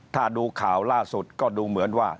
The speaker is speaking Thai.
ถ้าดูข่าวล่าสุดก็ดูเหมือนว่า